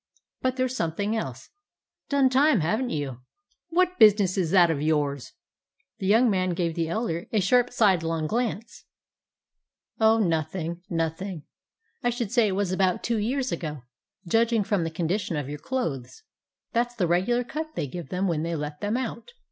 But there 's some thing else. Done time, have n't you?" "What business is that of yours?" The young man gave the elder a sharp sidelong glance. 150 A BROOKLYN DOG "Oh, nothing, nothing. I should say it was about two years ago, judging from the condition of your clothes. That 's the regu lar cut they give them when they let them out.